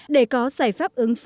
để có giải pháp ứng pháp